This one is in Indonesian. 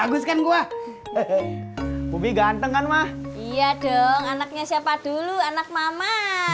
bagus kan gua hehehe bubi ganteng kan mah iya dong anaknya siapa dulu anak mama